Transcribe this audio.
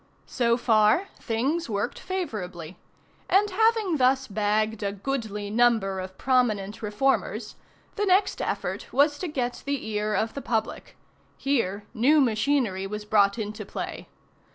So far, things worked favorably; and, having thus bagged a goodly number of prominent reformers, the next effort was to get the ear of the public. Here, new machinery was brought into play.